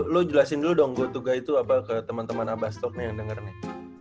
lu jelasin dulu dong go to guy itu apa ke temen temen abastok nih yang denger nih